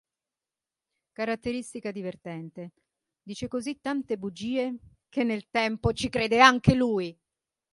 Caratteristica divertente; dice così tante bugie che nel tempo ci crede anche lui.